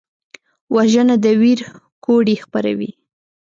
وژنه د ویر کوډې خپروي